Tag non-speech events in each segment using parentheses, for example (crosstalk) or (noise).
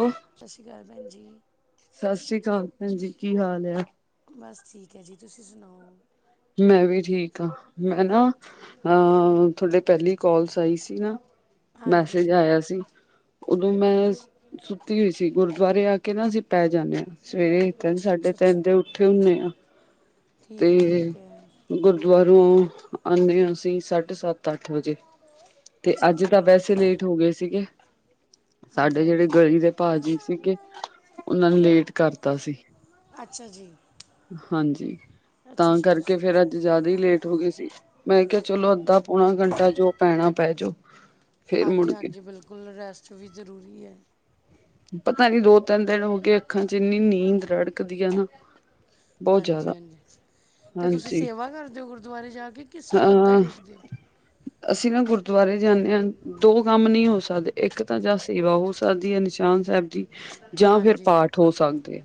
ਓ ਸਸ਼੍ਰੀ ਕਾਲ ਭੈਨ ਜੀ। ਸਸ੍ਰੀ ਕਾਲ ਭੈਨਜੀ, ਕੀ ਹਾਲ ਆ? ਬਾੱਸ ਠੀਕ ਐ ਜੀ, ਤੂਸੀ ਸੁਨਾਓ? ਮੈਂ ਵੀ ਠੀਕ ਆਂ, ਮੈਂ ਨਾ ਹਾਂ, ਥੋਡੇ ਪੈਲੇ ਈ ਕੋਲਸ ਆਈ ਸੀ ਨਾ ਹਾਂਜੀ ਮੈਸੇਜ ਆਏਆ ਸੀ, ਉਦੋਂ ਮੈਂ ਹਾਂਜੀ ਸੁੱਤੀ ਹੋਈ ਸੀ, ਗੁਰਦੁਆਰੇ ਆ ਕੇ ਨਾ ਅਸੀ ਪੈ ਜਾਨੇ ਆ, ਸਵੇਰੇ ਤਿੰਨ ਅੱਛਾ ਸਾਡੇ ਅੱਛਾ ਅੱਛਾ ਤਿੰਨ ਦੇ ਉ ਉੱਠੇ ਹੁੰਨੇ ਆ। ਤੇ, ਠੀਕ ਹੈ ਠੀਕ ਹੈ ਗੁਰਦੁਆਰੋ ਆਨੇ ਆ ਅਸੀ ਸਾਡੇ ਸਾੱਤ ਆੱਠ ਵਜੇ, ਤੇ ਅੱਛਾ ਆੱਜ ਜੀ ਤਾਂ ਵੈਸੇ ਲੇਟ ਹੋ ਗਏ ਸੀਗੇ। ਹਾਂਜੀ ਸਾਡੇ ਜੇੜੇ ਹਾਂਜੀ ਗਲੀ ਦੇ ਭਾਜੀ ਸੀਗੇ, ਉਨਾਂ ਨੇ ਲੇਟ ਕਾਰਤਾ ਸੀ। ਅੱਛਾ ਜੀ। ਹਾਂਜੀ, ਅੱਛਾ ਤਾਂ ਅੱਛਾ ਕਾਰਕੇ ਤੁਸੀਂ ਫੇਰ ਅੱਜ ਜਾਦਾ ਈ ਲੇਟ ਹੋ ਗਈ ਸੀ, ਮੈਂ ਕੇਆ ਚਲੋ ਅੱਧਾ-ਪੌਣਾ ਘੰਟਾ ਜੋ ਪੈਣਾ ਪੈ ਜੋ। ਫੇਰ ਮੁੜ ਕੇ ਹਾਂਜੀ-ਹਾਂਜੀ, ਬਿਲਕੁੱਲ ਰੈਸਟ ਵੀ ਜਰੂਰੀ ਐ। ਪਤਾ ਨੀ ਦੋ-ਤਿੰਨ ਦਿਨ ਹੋ ਗਏ ਅੱਖਾਂ ਚ ਇੰਨੀ ਨੀਂਦ ਰੜਕਦੀ ਆ ਨਾ। ਬਹੁਤ ਜ਼ਿਆਦਾ ਹਾਂਜੀ-ਹਾਂਜੀ, ਤੇ ਤੂਸੀ ਸੇਵਾ ਕਰਦੇ ਓ ਗੁਰਦੁਆਰੇ ਜਾ ਕੇ? ਕਿ ਸਿਰਫ ਮੱਥਾ ਟੇਕਦੇ ਹੋ ਅ ਅਸੀ ਨਾ ਗੁਰਦੁਆਰੇ ਜਾਂਨੇ ਆ, ਦੋ ਕਾੰਮ ਨੀ ਹੋ ਸਕਦੇ, ਇੱਕ ਤਾਂ ਜਾਂ ਸੇਵਾ ਹੋ ਸਕਦੀ ਐ ਨਿਸ਼ਾਨ ਸੈਬ ਦੀ ਜਾਂ ਫੇਰ ਹਾਂਜੀ ਪਾਠ ਹੋ ਸਕਦੇ ਆ,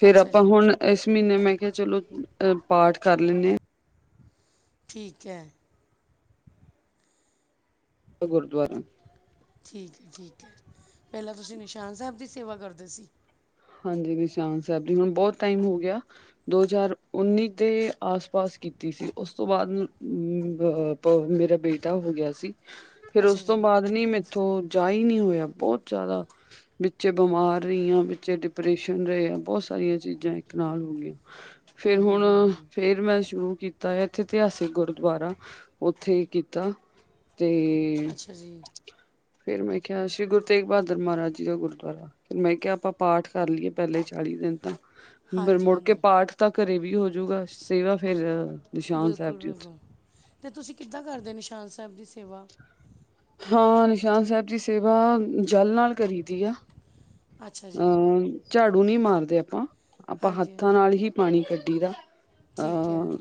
ਫੇਰ ਅੱਛਾ ਆਪਾਂ ਜੀ ਹੁਣ ਏਸ ਮ੍ਹੀਨੇ ਮੈਂ ਕੇਆ ਚਲੋ ਅ ਪਾਠ ਕਾਰ ਲੇਨੇ ਆ। ਠੀਕ ਐ। ਗੁਰਦੁਆਰਾਂ ਠੀਕ ਐ, ਠੀਕ ਐ, ਪੈਲਾਂ ਤੂਸੀ ਨਿਸ਼ਾਨ ਸੈਬ ਦੀ ਸੇਵਾ ਕਰਦੇ ਸੀ? ਹਾਂਜੀ ਨਿਸ਼ਾਨ ਸੈਬ ਦੀ, ਹੁਨ ਬੋਤ ਟਾਈਮ ਹੋ ਗੇਆ ਦੋ ਹਜ਼ਾਰ ਉੱਨੀ ਦੇ ਆਸ-ਪਾਸ ਕੀਤੀ ਸੀ, ਉਸ ਤੋਂ ਬਾਦ ਮ ਬ ਅ ਪ ਮੇਰਾ ਬੇਟਾ ਹੋ ਗੇਆ ਸੀ (inaudible) ਫੇਰ ਉਸ ਤੋਂ ਜੀ ਬਾਅਦ ਨੀ ਮੈਂ ਥੋਂ ਜਾ ਈ ਨੀ ਹੋਇਆ। ਬੋਤ ਜਿਆਦਾ ਵਿੱਚੇ ਬਿਮਾਰ ਰ‌ਈ ਆਂ। ਵਿਚੇ ਡਿਪ੍ਰੈਸ਼ਨ ਰ‌ਏ ਆ ਬੋਤ ਸਾਰੀਆਂ ਚੀਜ਼ਾਂ ਇੱਕ ਨਾਲ ਹੋਗੀਆਂ। ਫੇਰ ਹੁਣ ਫੇ ਰ ਮੈਂ ਸ਼ੁਰੂ ਕੀਤਾ, ਏਥੇ ਇਤਿਹਾਸਿਕ ਗੁਰਦਵਾਰਾ ਓਥੇ ਕੀਤਾ ਤੇ ਅੱਛਾ ਜੀ ਫੇਰ ਮੈਂ ਕਿਆ ਸ੍ਰੀ ਗੁਰੂ ਤੇਗ ਬਹਾਦਰ ਮਾਰਾਜ ਜੀ ਦਾ ਗੁਰਦਵਾਰਾ। ਫੇਰ ਮੈਂ ਕਿਆ ਆਪਾਂ ਪਾਠ ਕਰ ਲੀਏ ਪੈਲੇ ਚਾਲੀ ਦਿਨ ਤਾਂ, ਫਿਰ ਹਾਂਜੀ ਮੁੜ ਕੇ ਹਾਂਜੀ ਪਾਠ ਤਾਂ ਘਰੇ ਵੀ ਹੋਜੂਗਾ, ਸੇਵਾ ਫੇਰ ਬਿਲਕੁਲ-ਬਿਲਕੁਲ ਤੇ ਤੁਸੀਂ ਕਿੱਦਾਂ ਕਰਦੇ ਨਿਸ਼ਾਨ ਸੈਬ ਦੀ ਸੇਵਾ। ਹਾਂ ਨਿਸ਼ਾਨ ਸੈਬ ਦੀ ਸੇਵਾ ਜਲ ਨਾਲ ਕਰੀ ਦੀ ਆ। ਅੱਛਾ ਜੀ ਊਂ ਝਾੜੂ ਨੀ ਮਾਰਦੇ ਆਪਾਂ। ਆਪਾਂ ਹਾਂਜੀ ਹਾਂਜੀ ਹੱਥਾਂ ਨਾਲ ਹੀ ਪਾਣੀ ਕੱਢੀ ਦਾ। ਆ ਠੀਕ ਹੈ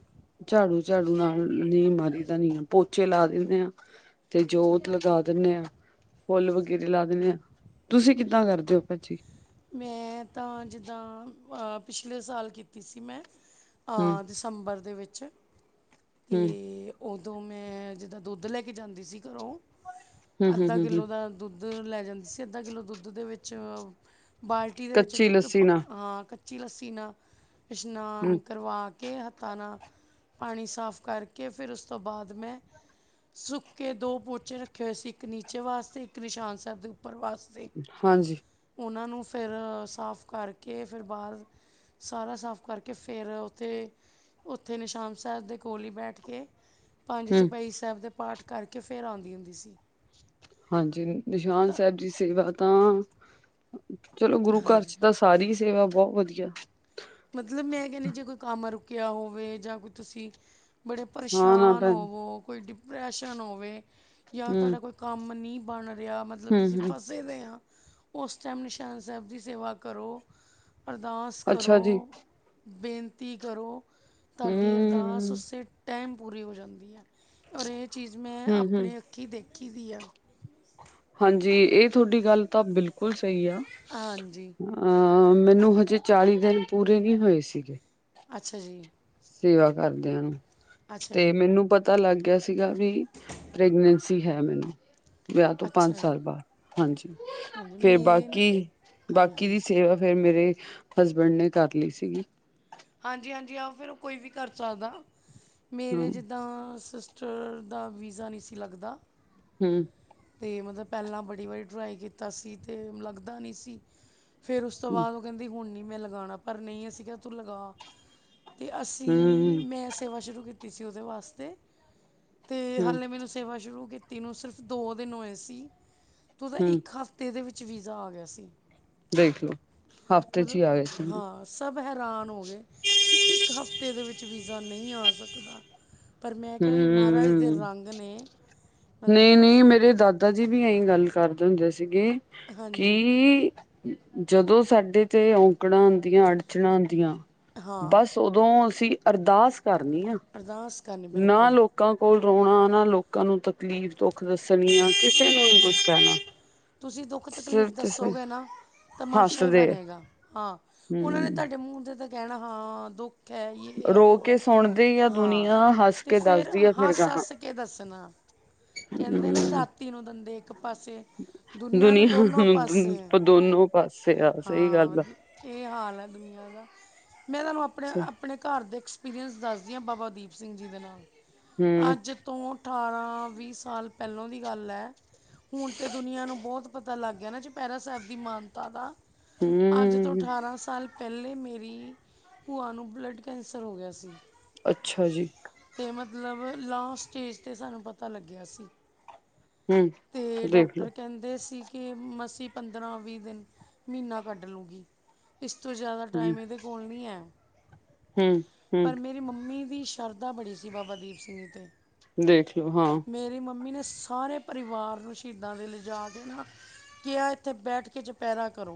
ਝਾੜੂ-ਝਾੜੂ ਨਾਲ ਨੀ ਮਾਰੀ ਦਾ ਨੀ ਪੋਚੇ ਲਾ ਦਿੰਨੇ ਆਂ। ਤੇ ਜੋਤ ਠੀਕ ਲਗਾ ਦਿੰਨੇ ਆ, ਫੁੱਲ ਵਗੈਰੇ ਲਾ ਦਿੰਨੇ ਆ, ਤੁਸੀਂ ਕਿੱਦਾਂ ਕਰਦੇ ਓ ਭੈ। ਜੀ। ਮੈਂ ਤਾਂ ਜਿੱਦਾਂ ਅ ਪਿਛਲੇ ਸਾਲ ਕੀਤੀ ਸੀ ਮੈਂ। ਹਮ ਆ ਤੰਬਰ ਦੇ ਵਿੱਚ ਹੂੰ, ਤੇ ਓਦੋਂ ਮੈਂ ਜਿੱਦਾਂ ਦੁੱਧ ਲੈ ਕੇ ਜਾਂਦੀ ਸੀ ਘਰੋਂ, ਅੱਧਾ ਹੂੰ-ਹੂੰ-ਹੂੰ-ਹੂੰ ਕਿੱਲੋ ਦਾ ਦੁੱਧ ਲੈ ਜਾਂਦੀ ਸੀ। ਅੱਧਾ ਕਿੱਲੋ ਦੁੱਧ ਦੇ ਵਿੱਚ ਬਾਲਟੀ ਦੇ ਵਿੱਚ ਕੱਚੀ ਦੁੱਧ ਲੱਸੀ ਪ ਨਾਲ ਅ ਕੱਚੀ ਲੱਸੀ ਨਾ ਹੂੰ ਇਸ਼ਨਾਨ ਕਰਵਾ ਕੇ ਹੱਥਾਂ ਨਾ ਪਾਣੀ ਸਾਫ ਕਰਕੇ, ਫੇਰ ਉਸ ਤੋਂ ਬਾਦ ਮੈਂ ਸੁੱਕੇ ਦੋ ਪੋਚੇ ਰੱਖੇ ਹੋਏ ਸੀ, ਇੱਕ ਨੀਚੇ ਵਾਸਤੇ ਇੱਕ ਨਿਸ਼ਾਨ ਸੈਬ ਦੇ ਉੱਪਰ ਵਾਸਤੇ। ਹਾਂਜੀ। ਓਨਾਂ ਨੂੰ ਫੇਰ ਸਾਫ ਕਰਕੇ ਫੇਰ ਬਾਦ ਸਾਰਾ ਸਾਫ ਕਰਕੇ ਫੇਰ ਓ ਤੇ ਓਥੇ ਨਿਸ਼ਾਨ ਸੈਬ ਦੇ ਕੋਲ ਈ ਬੈਠ ਕੇ ਪੰਜ ਹੂੰ ਚੋਪਾਈ ਸੈਬ ਦੇ ਪਾਠ ਕਰਕੇ ਫੇਰ ਆਉਂਦੀ ਹੁੰਦੀ ਸੀ। ਹਾਂਜੀ ਨਿਸ਼ਾਨ ਤਾਂ ਸੈਬ ਦੀ ਸੇਵਾ ਤਾਂ ਚਲੋ ਗੁਰੂ ਘਰ ਹਾਂਜੀ 'ਚ ਤਾਂ ਸਾਰੀ ਈ ਸੇਵਾ ਬਹੁ ਵਧੀਆ। ਮਤਲਬ ਮੈਂ ਕੈਨੀ ਜੇ ਕੋਈ ਕੰਮ ਰੁਕਿਆ ਹੋਵੇ ਜਾਂ ਕੋਈ ਤੁਸੀਂ ਬੜੇ ਹਾਂ ਨਾ ਪਰੇਸ਼ਾਨ ਭੈਣ ਹੋਵੋ, ਕੋਈ ਡਿਪਰੈਸ਼ਨ ਹੋਵੇ ਜਾਂ ਹੂੰ, ਤਾਡਾ ਕੋਈ ਕੰਮ ਨੀ ਬਣ ਰਿਆ, ਮਤਲਬ ਤੁਸੀਂ ਹੂੰ-ਹੂੰ ਫਸ ਸੇ ਦੇ ਆਂ, ਓਸ ਟੈਮ ਨਿਸ਼ਾਨ ਸੈਬ ਦੀ ਸੇਵਾ ਕਰੋ, ਅਰਦਾਸ ਅੱਛਾ ਕਰੋ। ਜੀ ਬੇਨਤੀ ਕਰੋ, ਤਾਡੀ ਅਰ ਦਾਸ ਹੂੰ ਉਸੇ ਟੈਮ ਪੂਰੀ ਹੋ ਜਾਂਦੀ ਆ। ਔਰ ਏ ਚੀਜ਼ ਮੈਂ ਹੂੰ-ਹੂੰ ਆਪਣੇ ਅੱ ਖੀ ਦੇਖੀ ਦੀ ਆ। ਹਾਂਜੀ ਏ ਤੁਆਡੀ ਗੱਲ ਤਾਂ ਬਿਲਕੁਲ ਸਈ ਆ। ਹਾਂਜੀ ਅ ਮੈਨੂੰ ਹਜੇ ਚਾਲੀ ਦਿਨ ਪੂਰੇ ਨੀ ਹੋਏ ਸੀਗੇ। ਅੱਛਾ ਜੀ। ਸੇਵਾ ਕਰਦਿਆਂ ਨੂੰ, ਅੱਛਾ ਤੇ ਜੀ ਮੈਨੂੰ ਪਤਾ ਲੱਗ ਗਿਆ ਸੀ। ਸੀਗਾ ਵੀ ਪ੍ਰੈਗਨੈਂਸੀ ਹੈ ਮੈਨੂੰ, ਵਿਆ ਤੋਂ ਪੰਜ ਅੱਛਾ ਜੀ ਸਾਲ ਬਾਦ ਹਾਂਜੀ। ਹਾਂਜੀ ਫੇਰ ਮੇਰੇ ਨਾ ਬਾਕੀ-ਬਾਕੀ ਹਾਂਜੀ ਦੀ ਸੇਵਾ ਫੇਰ ਮੇਰੇ ਹਸਬੈਂਡ ਨੇ ਕਰ ਲਈ ਸੀਗੀ। ਹਾਂਜੀ-ਹਾਂਜੀ ਆਓ ਫੇਰ ਓ ਕੋਈ ਵੀ ਕਰ ਸਕਦਾ। ਹਾਂ ਮੇਰੇ ਜਿੱਦਾਂ ਸਿਸ ਸਿਸਟਰ ਦਾ ਵੀਜ਼ਾ ਨੀ ਸੀ ਲੱਗਦਾ। ਹੂੰ। ਤੇ ਮਤਲਬ ਪੈਲਾਂ ਬੜੀ ਵਾਰੀ ਟਰਾਈ ਕੀਤਾ ਸੀ ਤੇ ਲੱਗਦਾ ਨੀ ਸੀ ਫਿਰ ਉਸ ਤੋਂ ਹੂੰ ਬਾਦ ਓ ਕੈਂਦੀ ਹੁਣ ਨੀ ਮੈਂ ਲਗਾਣਾ ਪਰ ਨਈ ਅਸੀਂ ਕਿਆ ਤੂੰ ਲਗਾ। ਤੇ ਅਸੀਂ ਹੂੰ ਮੈਂ ਸੇਵਾ ਸ਼ੁਰੂ ਕੀਤੀ ਸੀ ਓਦੇ ਵਾਸਤੇ। ਤੇ ਹੂੰ ਹਾਲੇ ਮੈਨੂੰ ਸੇਵਾ ਸ਼ੁਰੂ ਕੀਤੀ ਨੂੰ ਸਿਰਫ ਦੋ ਦਿਨ ਹੋਏ ਸੀ ਤੂੰ ਤਾਂ ਹੂੰ ਇੱਕ ਹਫ਼ ਤੇ ਦੇ ਵਿੱਚ ਵੀਜ਼ਾ ਆ ਗਿਆ ਸੀ। ਦੇਖਲੋ ਹਫ਼ਤੇ ਚ ਈ ਆ ਗਿਆ ਮਤਲਬ ਸੀ। ਹਾਂ ਸਭ ਹੈਰਾਨ ਹੋ ਗਏ ਕੀ ਇੱਕ ਹਫ਼ਤੇ ਦੇ ਵਿੱਚ ਵੀਜ਼ਾ ਨਈ ਆ ਸਕਦਾ। ਪਰ ਮੈਂ ਕਿਆ ਏ ਮਹਾਰਾਜ ਦੇ ਹੂੰ ਰੰਗ ਨੇ ਮਤਲਬ ਕੀ ਮੇਰੇ ਦਾਦਾ ਜੀ ਵੀ ਐਈ ਗੱਲ ਕਰਦੇ ਹੁੰਦੇ ਸੀਗੇ ਹਾਂਜੀ ਕੀ ਜਦੋਂ ਸਾਡੇ ਤੇ ਔਂਕੜਾਂ ਆਂਦੀਆਂ ਅੜਚਨਾ ਆਂਦੀਆਂ ਹਾਂ ਬਸ ਓਦੋਂ ਅਸੀਂ ਅਰਦਾਸ ਕਰਨੀ ਆ। ਅਰਦਾਸ ਕਰਨੀ ਨਾ ਬਿਲਕੁਲ ਲੋਕਾਂ ਕੋਲ ਰੋਣਾ, ਨਾ ਲੋਕਾਂ ਨੂੰ ਤਕਲੀਫ਼ ਦੁੱਖ ਦੱਸਣੀ ਆ ਕਿਸੇ ਨੂੰ ਨੀ ਨਹੀਂ ਨਹੀਂ ਕੁਛ ਕੈਣਾ। ਤੁਸੀਂ ਦੁੱਖ ਤਕਲੀਫ਼ ਦੱਸੋਗੇ ਨਾ ਤਮਾਸ਼ਾ ਈ ਹੱਸਦੇ ਆ ਬਣੇਗਾ ਹਾਂ। ਉਨਾਂ ਨੇ ਹਮ ਤੁਹਾਡੇ ਮੂੰਹ ਤੇ ਤਾਂ ਕੈਣਾ ਹਾਂ ਦੁੱ ਖ ਐ ਯੇ ਐ ਰੋ ਵੋ ਐ ਕੇ ਸੁਣਦੀ ਆ ਹਾਂ ਦੁਨੀਆਂ ਹੱਸ ਤੇ ਕੇ ਫਿਰ ਦੱਸਦੀ ਆ ਫਿਰ ਗਾਹਾਂ ਹੱਸ-ਹੱਸ ਕੇ ਦੱਸਣਾ। ਕੈਂਦੇ ਨਾ ਹਮ ਦਾਤੀ ਨੂੰ ਦੰਦੇ ਇੱਕ ਪਾਸੇ। ਦੁਨੀਆਂ ਨੂੰ ਦੋਨੋਂ ਪਾਸੇ ਐ ਨੂੰ ਦੋਨੋ ਪਾਸੇ ਆ ਸਹੀ ਹਾਂ ਗੱਲ ਆ ਵਧੀ ਏ ਹਾਲ ਐ ਦੁਨੀਆਂ ਦਾ ਮੈਂ ਤੁਹਾਨੂੰ ਆਪਣੇ ਆ ਪਣੇ ਘਰ ਦੇ ਐਕਸਪੀਰੀਅੰਸ ਦੱਸਦੀ ਆ ਬਾਬਾ ਦੀਪ ਸਿੰਘ ਜੀ ਦੇ ਨਾਲ ਹਮ ਅੱਜ ਤੋਂ ਅਠਾਰਾਂ ਵੀਹ ਸਾਲ ਪਹਿਲੋਂ ਦੀ ਗੱਲ ਐ ਹੁਣ ਤਾਂ ਦੁਨੀਆਂ ਨੂੰ ਬਹੁਤ ਪਤਾ ਲੱਗ ਗਿਆ ਨਾ ਚੁਪੈਰਾ ਸੈਬ ਦੀ ਮਾਨਤਾ ਦਾ ਅੱਜ ਤੋਂ ਹਮ ਠਾਰਾਂ ਸਾਲ ਪੈਲੇ ਮੇਰੀ ਭੂਆ ਨੂੰ ਬਲੱਡ ਕੈਂਸਰ ਹੋ ਗਿਆ ਸੀ। ਅੱਛਾ ਜੀ। ਅਤੇ ਮਤਲਬ ਲਾਸਟ ਸਟੇਜ ਤੇ ਸਾਨੂੰ ਪਤਾ ਲੱਗਿਆ ਸੀ। ਹਮ ਤੇ ਦੇਖਲੋ ਡੋਕਟਰ ਕੈਂ ਦੇ ਸੀ ਕਿ ਮਸੀਂ ਪੰਦਰਾਂ ਵੀਹ ਦਿਨ ਮੀਨਾ ਕੱਢ ਲੂੰਗੀ। ਇਸ ਤੋਂ ਜਾਦਾ ਹਮ ਟਾਈਮ ਇਦੇ ਕੋਲ ਨੀ ਐ ਹਮ ਹਮ ਪਰ ਮੇਰੀ ਮੰਮੀ ਦੀ ਸ਼ ਸ਼ਰਧਾ ਬੜੀ ਸੀ ਬਾਬਾ ਦੀਪ ਸਿੰਘ ਜੀ ਤੇ। ਦੇਖਲੋ ਹਾਂ। ਮੇਰੀ ਮੰਮੀ ਨੇ ਸਾਰੇ ਪਰਿਵਾਰ ਨੂੰ ਸ਼ਹੀਦਾਂ ਦੇ ਲਿਜਾ ਕੇ ਕਿਆ ਇੱਥੇ ਬੈਠ ਕੇ ਚਪੈਰਾ ਕਰੋ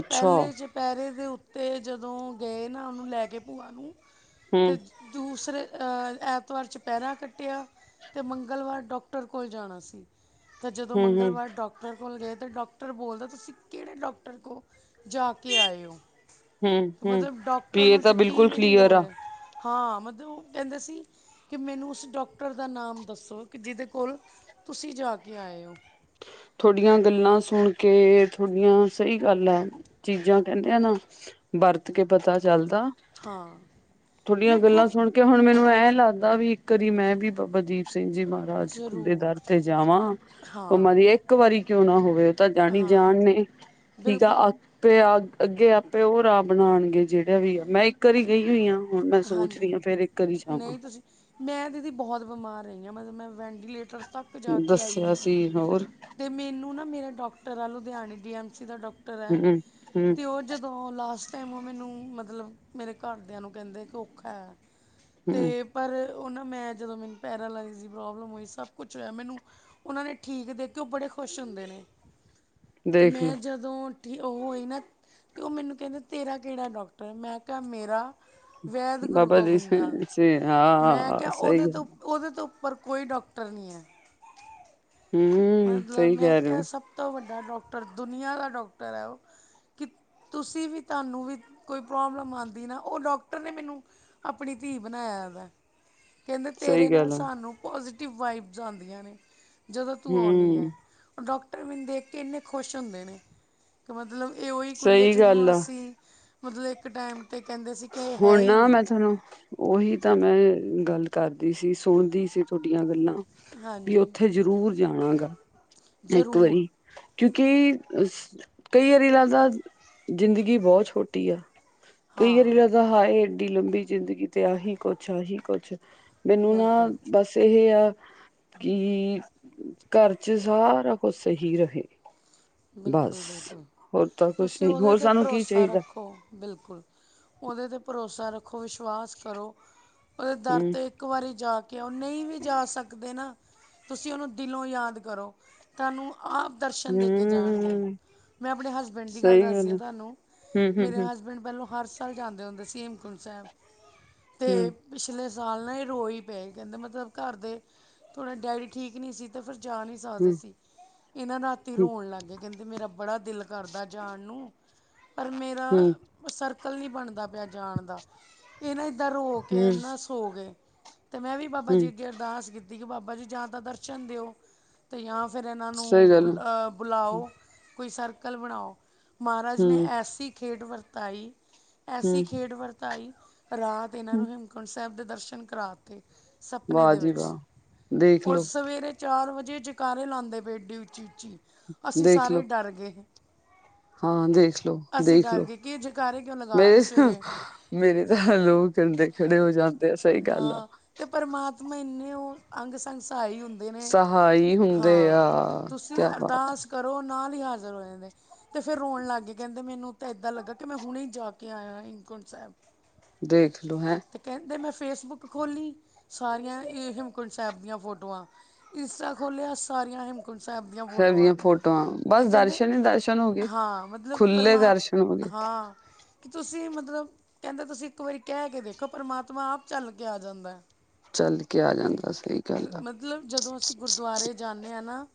ਅੱਛਾ ਪੈਲੇ ਚ ਚਪੈਰੇ ਦੇ ਉੱਤੇ ਜਦੋਂ ਗਏ ਨਾ ਉਨੂੰ ਲੈ ਕੇ ਭੂਆ ਨੂੰ ਤੇ ਹਮ ਦੂਸਰੇ ਅ ਐਂਤਵਾਰ ਚਪੈਰਾ ਕੱਟਿਆ ਤੇ ਮੰਗਲਵਾਰ ਡੋਕਟਰ ਕੋਲ ਜਾਣਾ ਸੀ ਤੇ ਜਦੋਂ ਹਮ ਮੰਗ ਹਮ ਡੋਕਟਰ ਕੋਲ ਗਏ ਤਾਂ ਡੋਕਟਰ ਬੋਲਦਾ ਤੁਸੀਂ ਕੇੜੇ ਡੋਕਟਰ ਕੋ ਜਾ ਕੇ ਆਏ ਓ ਹਮ ਤੇ ਹਮ ਮਤਲਬ ਡੋਕਟਰ ਵੀ ਇਹ ਨੂੰ ਤਾਂ ਬਿਲਕੁਲ ਯਕੀਨ ਨੀ ਕਲੀਅਰ ਹੋ ਆ ਰਿਆ ਹਾਂ ਮਤਲਬ ਓ ਕੈਂਦਾ ਸੀ ਕੀ ਮੈਨੂੰ ਉਸ ਡੋਕਟਰ ਦਾ ਨਾਮ ਦੱਸੋ ਕੀ ਜਿਦੇ ਕੋਲ ਤੁਸੀਂ ਜਾ ਕੇ ਆਏ ਓ। ਥੋਡੀਆਂ ਗੱਲਾਂ ਸੁਣ ਕੇ ਥੋਡੀਆਂ ਸਈ ਗੱਲ ਐ ਚੀਜ਼ਾਂ ਕੈਂਦੇ ਆ ਨਾ ਵਰਤ ਕੇ ਪਤਾ ਚੱਲਦਾ ਹਾਂ ਥੋਡੀਆਂ ਮੈਂ ਗੱਲਾਂ ਖੁਦ ਸੁਨ ਕੇ ਹੁਣ ਮੈਨੂੰ ਐਂ ਲੱਗਦਾ ਵੀ ਇੱਕ ਵਾਰੀ ਮੈਂ ਵੀ ਬਾਬਾ ਦੀਪ ਸਿੰਘ ਜੀ ਵਾਰ (unintelligible) ਜ਼ਰੂਰ ਦਰ ਤੇ ਜਾਵਾਂ ਪਮਾ ਹਾਂ ਦੀ ਇੱਕ ਵਾਰੀ ਕਿਉਂ ਨਾ ਹੋਵੇ ਤਾਂ ਹਾਂ ਜਾਣੀ-ਜਾਣ ਨੇ ਠੀਕ ਬਿਲਕੁਲ ਆ ਪੇ ਆਗ, ਅੱਗੇ ਆਪੇ ਓ ਰਾਹ ਬਨਾਨਗੇ ਜੇਹੜਾ ਵੀ ਆ, ਮੈਂ ਇੱਕ ਵਾਰੀ ਗਈ ਹੋਈ ਆਂ। ਹੁਣ ਮੈਂ ਸੋਚਰੀ ਹਾਂਜੀ ਆ ਫਿਰ ਇੱਕ ਵਾਰੀ ਜਾਵਾਂ ਨਹੀਂ ਤੁਸੀਂ ਮੈਂ ਦੀਦੀ ਬੋਹਤ ਬਿਮਾਰ ਰਈ ਆਂ ਮਤਲਬ ਮੈਂ ਵੈਂਟੀਲੇਟਰ ਤੱਕ ਜਾ ਕੇ ਆਈ ਦੀ ਆਂ। ਤੇ ਹੋਰ ਤੇ ਮੈਨੂੰ ਨਾ ਮੇਰਾ ਡਾਕਟਰ ਆ ਲੁਧਿਆਣੇ ਡੀ ਐੱਮ ਸੀ ਦਾ ਡਾਕਟਰ ਆ ਹੂੰ, ਹੂੰ, ਤੇ ਓ ਜਦੋਂ ਲਾਸਟ ਟਾਈਮ ਓ ਮੈਨੂੰ ਮਤਲਬ ਮੇਰੇ ਘਰਦਿਆਂ ਨੂੰ ਕਹਿੰਦੇ ਕਿ ਔਖਾ ਏ। ਹੂੰ ਪਰ ਓਨਾਂ ਮੈਂ ਜਦੋਂ ਮੈਨੂੰ ਪੈਰਾਲਾਈਜ਼ ਦੀ ਪ੍ਰੋਬਲਮ ਹੋਈ ਸਭ ਕੁਝ ਹੋਇਆ ਮੈਨੂੰ। ਓਨਾਂ ਨੇ ਠੀਕ ਦੇਕ ਕੇ ਓ ਬੜੇ ਖੁਸ਼ ਹੁੰਦੇ ਨੇ, ਤੇ ਦੇਖਲੋ। ਮੈਂ ਜਦ ਜੋਂਠ ਠੀ ਓ ਹੋਈ ਨਾ ਤੇ ਓ ਮੈਨੂੰ ਕਹੰਦੇ ਤੇਰਾ ਕਿਹੜਾ ਡਾਕਟਰ, ਮੈਂ ਕਿਆ ਮੇਰਾ ਵੈਦ ਗੁਰੂ ਬਾਬਾ ਗੋਬਿੰਦ ਦੀਪ ਦਾ ਸਿੰਘ ਮੈਂ ਹਾਂ ਕਿਆ ਸਹੀ ਓਦੇ ਗੱਲ ਤੋਂ ਓਦੇ ਤੋਂ ਉੱਪਰ ਕੋਈ ਡਾਕਟਰ ਨੀ ਏ। ਹੁੰ, ਹੁੰ। ਮਤਲਬ ਮੈਂ ਕਿਆ ਸਭ ਤੋਂ ਵੱਡਾ ਡਾਕਟਰ ਦੁਨੀਆ ਦਾ ਡੋਕਟਰ ਏ ਓ। ਕਿ, ਤੁਸੀਂ ਵੀ ਤਾਨੂੰ ਵੀ, ਕੋਈ ਪ੍ਰੋਬਲਮ ਆਂਦੀ ਨਾ ਓ ਡਾਕਟਰ ਨੇ ਮੈਨੂੰ ਆਪਣੀ ਧੀ ਬਣਾਇਆ ਵੇ। ਕੈਂਦੇ ਤੇਰੇ ਸਹੀ ਨਾਲ ਗੱਲ ਆ ਸਾਨੂੰ ਪਾਜ਼ਿਟਿਵ ਵਾਈਬਸ ਜਾਂਦੀਆਂ ਨੇ, ਜਦੋਂ ਤੂੰ ਆਉਣੀ ਏ, ਹੂੰ ਡਾਕਟਰ ਮੈਨੂੰ ਦੇਖ ਕੇ ਇੰਨੇ ਖੁਸ਼ ਹੁੰਦੇ ਨੇ। ਕਿ ਮਤਲਬ ਏ ਓਈ ਕੁੜੀ ਏ ਸਹੀ ਗੱਲ ਜਿਹਨੂੰ ਆ ਅਸੀਂ ਮਤਲਬ ਇੱਕ ਟੈਮ ਤੇ ਕਹਿੰਦੇ ਸੀ ਕੇ ਹੈ ਈ ਨਈ। ਤਨੋ। ਓਹੀ ਤਾਂ ਮੈਂ ਗੱਲ ਕਰਦੀ ਸੀ ਸੁਣਦੀ ਸੀ ਤੁਹਾਡੀਆਂ ਗੱਲਾਂ। ਵੀ ਹਾਂਜੀ ਉੱਥੇ ਜ਼ਰੂਰ ਜਾਣਾ ਗਾ, ਇੱਕ ਜ਼ਰੂਰ ਵਾਰੀ। ਕਿਉਂਕਿ ਇਸ ਕਈ ਆਰੀ ਲੱਗਦਾ ਜ਼ਿੰਦਗੀ ਬੋਤ ਛੋਟੀ ਆ। ਕਈ ਵਾਰੀ ਹਾਂ। ਲੱਗਦਾ ਹਾਏ ਐਡੀ ਲੰਬੀ ਜ਼ਿੰਦਗੀ ਤੇ ਆਹੀ ਕੁਛ-ਆਹੀ ਕੁਛ ਮੈਨੂੰ ਨਾ। ਬਿਲਕੁਲ ਬਸ ਇਹ ਆ, ਕਿ ਘਰ ਚ ਸਾਰਾ ਕੁਝ ਸਈ ਰਹੇ। ਬਸ ਬਿਲਕੁਲ-ਬਿਲਕੁਲ ਹੋਰ ਤਾਂ ਕੁਛ ਤੁਸੀਂ ਨੀ ਓਦੇ ਹੋਰ ਤੇ ਸਾਨੂੰ ਕੀ ਭਰੋਸਾ ਚਾਹੀਦਾ ਰੱਖੋ। ਬਿਲਕੁਲ, ਓਦੇ ਤੇ ਭਰੋਸਾ ਰੱਖੋ ਵਿਸ਼ਵਾਸ ਕਰੋ, ਓਦੇ ਦਰ ਹਮ ਤੇ ਇੱਕ ਵਾਰੀ ਜਾ ਕੇ ਆਓ ਨਈ ਵੀ ਜਾ ਸਕਦੇ ਨਾ, ਤੁਸੀਂ ਓਨੂੰ ਦਿਲੋਂ ਯਾਦ ਕਰੋ। ਸਾਨੂੰ ਆਪ ਦਰਸ਼ਨ ਦੇ ਕੇ ਜਾਣਗੇ, ਹਮ ਮੈਂ ਆਪਣੇ ਹਸਬੈਂਡ ਦੀ ਗੱਲ ਦੱਸਦੀ ਆਂ ਤਾਨੂੰ, ਹਮ ਹਮ ਮੇਰੇ ਹਮ ਹਸਬੈਂਡ ਪਹਿਲੋਂ ਹਰਸ਼ ਨਿਕਲ ਜਾਂਦੇ ਹੁੰਦੇ ਸੀ ਹੈਮਕੁੰਡ ਸੈਬ, ਤੇ ਹਮ ਪਿਛਲੇ ਸਾਲ ਨਾ ਏ ਰੋ ਈ ਪਏ ਕੈਂਦੇ ਮਤਲਬ ਕੱਰ ਦੇ ਥੋਡਾ ਡੈਡੀ ਠੀਕ ਨੀ ਸੀ ਤੇ ਫਿਰ ਜਾ ਨੀ। ਜਦ ਅਸੀਂ, ਹਮ ਸੀ ਇਨਾਂ ਰਾਤੀ ਹਮ ਰੋਨ ਲੱਗ ਗਏ, ਕੈਂਦੇ ਮੇਰਾ ਬੜਾ ਦਿਲ ਕਰਦਾ ਜਾਨ ਨੂੰ ਪਰ ਹਮ ਮੇਰਾ, ਸਰਕਲ ਨੀਂ ਬਣਦਾ ਪਿਆ ਜਾਣ ਦਾ। ਇਹ ਨਾ ਏਦਾਂ ਰੋ ਕੇ ਹਮ ਨਾ ਸੌ ਗਏ, ਮੈਂ ਵੀ ਬਾਬਾ ਜੀ ਹਮ ਅੱਗੇ ਅਰਦਾਸ ਕੀ ਤੀ ਬਾਬਾ ਜੀ ਜਾਂ ਤਾਂ ਦਰਸ਼ਨ ਦਿਓ ਤੇ ਯਾ ਫਿਰ ਏਨਾ ਸਹੀ ਨੂੰ ਗੱਲ ਬੁਲਾਓ ਕੋਈ ਸਰਕਲ ਬਣਾਓ ਮਾਰਾਜ ਨੇ ਹਮ ਐਸੀ ਖੇਡ ਵਰਤਾਈ। ਐਸੀ ਹਮ ਖੇਡ ਵਰਤਾਈ, ਰਾਤ ਇਨਾਂ ਨੂੰ ਹੇਮਕੁੰਡ ਸੈਬ ਦੇ ਦਰਸ਼ਨ ਕਰਾਤੇ। ਸਪਨੇ ਵਾਹ ਦੇ ਜੀ ਵਿੱਚ, ਵਾਹ ਦੇਖਲੋ ਉਸ ਸਵੇਰੇ ਚਾਰ ਵਜੇ, ਜੈਕਾਰੇ ਲਾਂਦੇ ਪਏ ਐਡੀ ਉੱਚੀ -ਉੱਚੀ ਅਸੀਂ ਦੇਖਲੋ ਸਾਰੇ ਡਰ ਗੇ ਹਾਂ, ਦੇਖ ਲੋੋ-ਦੇਖ ਲੋੋ, ਗਏ ਕਿ ਇਹ ਜੈਕਾਰੇ ਕਿਉਂ ਲਗਾ ਬੇ ਰਹੇ ਸਵੇਰੇ। ਸਕ ਮੇਰੇ ਤਾਂ, ਲੋ ਕਂਡੇ ਖੜੇ ਹੋ ਜਾਂਣ ਹਾਂ ਤੇ, ਪਰਮਾਤਮਾ ਇੰਨੇ ਔ, ਅੰਗ-ਸੰਗ ਸਹਾਈ ਹੁੰਦੇ ਜਿਵੇ ਸਹਾਈ ਹੁੰਦੇ ਹਾਂ, ਆ ਤੁਸੀਂ ਕਿਆ ਬਾਤ ਆ, ਅਰਦਾਸ ਕਰੋ ਨਾਲ ਹੀ, ਹਾਜ਼ਰ ਹੋ ਜਾਂਦੇ ਤੇ ਫੇਰ ਰੋਣ ਲੱਗ ਗੀ ਕਹਿਦੀ, ਮੈਨੂੰ ਤਾਂ ਇੱਦਾਂ ਲੱਗਾ, ਕਿ ਮੈਂ ਹੁਣੇ ਈ ਜਾ ਕੇ, ਆਇਆ ਹੇਮਕੁਂਟ ਸਾਹਿਬ ਦੇਖ ਲੋ ਹੈ ਤੇ ਕਹਿਦੇ, ਮੈਂ ਫੇਸਬੁੱਕ ਖੋਲ੍ਹੀ, ਸਾਰੀਆਂ ਹੇਮਕੁੰਟ ਸਹਿਬ ਦੀਆਂ ਫੋਟੋਆਂ ਇਂਸਟਾ ਖੋਲ੍ਹਿਆ, ਸਾਰੀਆਂ ਹੇਮ ਸੈਬ ਦੀਆਂ ਫੋਟੋਆਂ, ਬਸ ਕਹਿੰਦੇ ਦਰਸ਼ਨ ਈ ਦਰਸ਼ਨ ਹੋ ਗੇ, ਹਾਂ ਮਤਲਬ ਖੁੱਲੇ ਪਰਮਾ ਦਰਸ਼ਨ ਬਿਲਕੁਲ ਜੀ ਹਾਂ ਕਿ ਤੁਸੀਂ ਮਤਲਬ, ਕੈੱਦੇ ਤੁਸੀਂ ਕੋਈ ਕਹਿ ਦੇ ਵੇ ਕੇ ਦੇਖੋ, ਪਰਮਾਤਮਾ ਆਪ, ਚੱਲ ਕੇ ਆ ਜਾਂਦਾ ਐ ਚੱਲ ਕੇ, ਆ ਜਾਂਦਾ ਸੀ। ਤੇ ਮਤਲਬ, ਜਦੋਂ ਅਸੀਂ ਗੁਰਦੁਆਰੇ, ਜਾਂਨੇ ਆਂ ਨਾ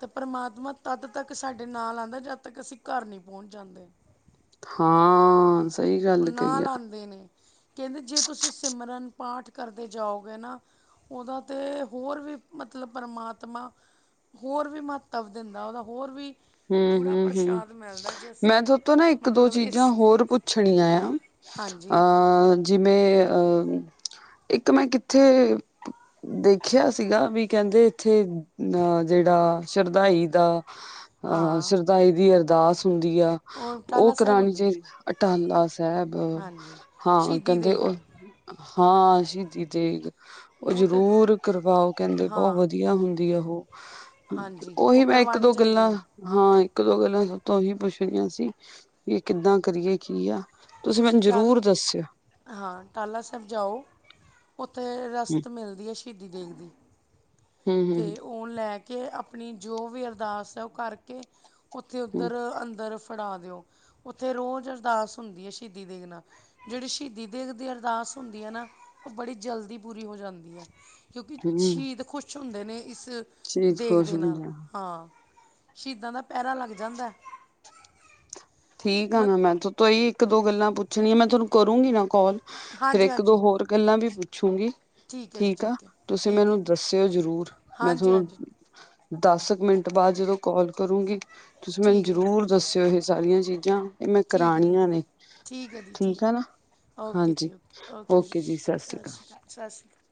ਤੇ ਪਰਮਾਤਮਾ, ਤਦ ਤੱਕ ਸਾਡੇ ਨਾਲ ਆਂਦਾ, ਜਦ ਤੱਕ ਅਸੀਂ ਘਰ ਨੀ ਪੋੱਚ ਜਾਂਦੇ ਹਾਂ ਸਹੀ ਗੱਲ ਕਹੀ ਆ ਨਾਲ ਆਂਦੇ ਨੇ, ਕਹਿੰਦੇ, ਜੇ ਤੁਸੀਂ ਸਿਮਰਨ ਪਾਠ ਕਰਦੇ ਜਾਉ ਗੇ ਨਾ ਔਦਾ ਤੇ, ਹੋਰ ਵੀ ਮਤਲਬ, ਪਰਮਾਤਮਾ ਹੋਰ ਵੀ, ਮਹੱਤਵ ਦਿੰਦਾ, ਔਦਾ ਹੋਰ ਵੀ ਗੂੜਾ ਹੁੰ-ਹੁੰ-ਹੁੰ, ਪ੍ਰਸ਼ਾਦ ਮਿਲਦਾ ਜੇ ਅਸੀਂ ਮੈਂਥੋ ਤੋਂ ਨਾ, ਇੱਕ-ਦੋ ਮਤਲਬ ਚੀਜ਼ਾਂ ਇਸ ਹੋਰ ਪੁੱਛ ਪੁੱਛਣ ਨਈ, ਹਾਂਜੀ ਆਇਆ ਜਿਵੇਂ ਅ, ਇੱਕ ਮੈਂ ਕਿੱਥੇ ਦੇਖਿਆ ਸੀਗਾ, ਵੀ ਕਹਿਦੇ ਇੱਥੇ, ਅ ਜਿਹੜਾ ਸ਼ਰਧਾਈ ਦਾ ਅ ਹਾਂ ਸ਼ਰਦਾਈ ਦੀ, ਅਰਦਾਸ ਹੁੰਦੀ ਆ ਉਹ ਔ ਟਾਹਲਾ ਸਾਹਿਬ ਕਰਾਣੀ ਹੁੰਦੀ ਸੀ ਅ ਟਾਲਾ ਸਾਹਿਬ, ਹਾਂਜੀ ਹਾਂ ਸ਼ਹੀਦੀ ਕਹਿਦੇ ਦੇ ਔ ਹਾਂ ਸ਼ਹੀਦੀ ਤੇਗ ਔ ਉਹ ਤਾਂ ਜ਼ਰੂਰ ਕਰਵਾਓ ਕੈਂਦੇ, ਬੋਤ ਹਾਂ ਵਧੀਆ ਹੁੰਦੀ ਆ ਔਹ ਹਾਂਜੀ ਉਹ ਔਹੀ, ਮੈਂ ਕਰਵਾਉਣੀ ਇੱਕ-ਦੋ ਚਾਹੀਦੀ ਗੱਲਾਂ ਹੈ ਹਾਂ, ਇੱਕ-ਦੋ ਗੱਲਾਂ ਤਾਥੋ ਤੋਂ ਔਹੀ, ਪੁੱਛਣੀਆਂ ਸੀ, ਵੀ ਕਿੱਦਾਂ ਕਰੀਏ ਕੀ ਆ ਤੁਸੀਂ ਮੈਨੂੰ ਤਾ ਜ਼ਰੂਰ ਦੱਸਿਓ ਹਾਂ, ਟਾਲਾ ਸਹਿਬ ਜਾਓ ਉੱਥੇ ਹੂੰ ਰਸਦ ਮਿਲਦੀ ਐ, ਸ਼ਹੀਦੀ ਦੇਗ ਦੀ ਹੂੰ ਹੂੰ ਤੇ ਓਂ ਲੈ ਕੇ, ਅਪਣੀ ਜੋ ਵੀ ਅਰਦਾਸ ਹੈ ਔ ਕਰਕੇ ਉੱਥੇ, ਹੂੰ ਉੱਧਰ ਅੰਦਰ ਫੜਾ ਦਿਓ, ਔਥੇ ਰੋਜ਼ ਅਰਦਾਸ ਹੁੰਦੀ ਏ, ਸ਼ਹੀਦੀ ਦੇਗ ਨਾ ਜਿਹੜੀ ਸ਼ਹੀਦੀ ਦੇਗ ਦੀ, ਅਰਦਾਸ ਹੁੰਦੀ ਐ ਨਾ, ਔ ਬੜੀ ਜਲਦੀ ਪੂਰੀ ਹੋ ਜਾਂਦੀ ਐ ਕਿਉਂਕਿ, ਹੂੰ ਸ਼ਹੀਦ ਖੁਸ਼ ਹੁੰਦੇ ਨੇ, ਇਸ ਸ਼ਰੀਰ ਦੇਗ ਖੁਸ਼ ਦੇ ਨਾਲ, ਹੁੰਦਾ ਹਾਂ ਸ਼ਹੀਦਾਂ ਦਾ ਪੈਰਾ ਲੱਗ ਜਾਂਦਾ ਐ ਠੀਕ ਆ ਨਾ ਮੈਂ, ਇੱਕ-ਦੋ ਗੱਲਾਂ ਪੁੱਛਣੀਆਂ ਮੈਂ ਤੋਨੂੰ, ਕਰੂੰਗੀ ਨਾ ਕੋਲ, ਫੇਰ ਹਾਂਜੀ ਇੱਕ-ਦੋ ਹਾਂਜੀ ਹੋਰ ਗੱਲਾਂ ਵੀ, ਪੁੱਛੂਗੀ ਹੈ ਜੀ ਠੀਕ ਆ, ਹੈ ਤੁਸੀਂ ਠੀਕ ਹੈ ਮੈਨੂੰ ਜੀ, ਦੱਸਿਓ ਜ਼ਰੂਰ, ਮੈਂ ਹਾਂਜੀ ਥੋਨੂੰ? ਹਾਂਜੀ ਦਸ ਕੁ ਮਿੰਟ ਬਾਅਦ ਜਦੋਂ ਕਾਲ ਕਰੂਗੀ, ਤੁਸੀਂ ਮੈਨੂੰ ਠੀਕ ਹੈ ਜ਼ਰੂਰ ਦੱਸਿਉ ਏਹ ਸਾਰੀਆਂ ਚੀਜ਼ਾਂ, ਮੈਂ ਠੀਕ ਹੈ ਦੀ ਕਰਾਣੀਆਂ ਨੇ, ਹੈ ਦੀ ਠੀਕ ਆਂ ਹੈ ਨਾ ਓਕੇ ਹਾਂਜੀ, ਜੀ ਓਕੇ ਔ, ਓਕੇ ਕੇ ਜੀ, ਸਾਸ ਰੀ ਸਤਿ ਸ਼੍ਰੀ ਅਕਾਲ ਸਤਿ ਸ਼੍ਰੀ ਅਕਾਲ ਕਾਲ